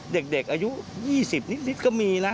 เด็กอายุ๒๐นิดก็มีนะ